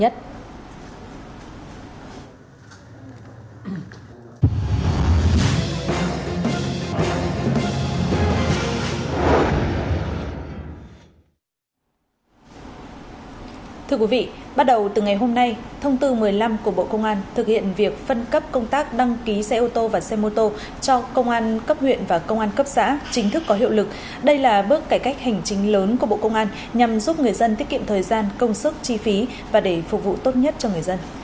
thưa quý vị bắt đầu từ ngày hôm nay thông tư một mươi năm của bộ công an thực hiện việc phân cấp công tác đăng ký xe ô tô và xe mô tô cho công an cấp huyện và công an cấp xã chính thức có hiệu lực đây là bước cải cách hành trình lớn của bộ công an nhằm giúp người dân tiết kiệm thời gian công sức chi phí và để phục vụ tốt nhất cho người dân